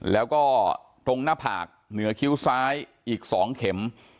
แล้วก็ตรงหน้าผากเหนือคิ้วซ้ายอีก๒เข็ม